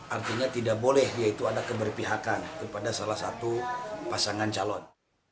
artinya tidak boleh yaitu ada keberpihakan kepada salah satu pasangan calon